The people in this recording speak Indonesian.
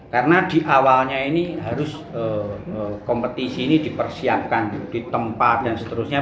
karena di awalnya ini harus kompetisi ini dipersiapkan di tempat dan seterusnya